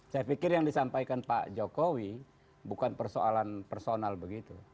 saya pikir yang disampaikan pak jokowi bukan persoalan personal begitu